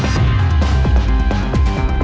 จด